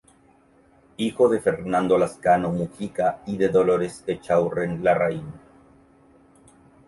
Hijo de Fernando Lazcano Mujica y de Dolores Echaurren Larraín.